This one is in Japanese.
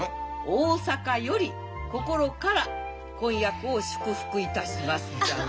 「大阪より心から婚約を祝福いたします」じゃない。